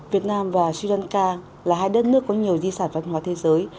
việt nam và sri lanka là hai đất nước có nhiều di sản văn hóa thế giới